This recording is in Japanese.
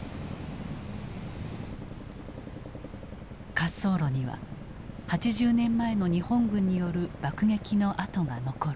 滑走路には８０年前の日本軍による爆撃の痕が残る。